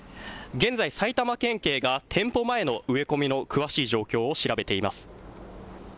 現在埼玉県警が店舗前の植え込みの詳しい状況を調べています。